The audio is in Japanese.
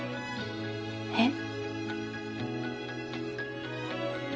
えっ？